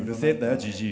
じじい。